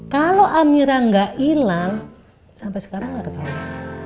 kalau amira gak hilang sampai sekarang gak ketawa